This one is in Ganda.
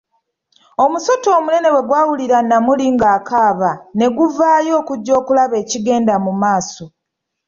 Omusota omunene bwe gw'awulira Namuli ng'akaaba ne guvayo okujja okulaba ekyali kigenda mu maaso.